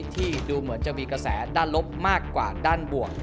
ที่ดูเหมือนจะมีกระแสด้านลบมากกว่าด้านบวก